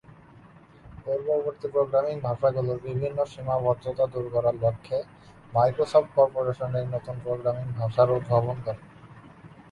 পূর্ববর্তী প্রোগ্রামিং ভাষাগুলোর বিভিন্ন সীমাবদ্ধতা দূর করার লক্ষ্যে মাইক্রোসফট করপোরেশন এই নতুন প্রোগ্রামিং ভাষার উদ্ভাবন করে।